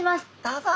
どうぞ。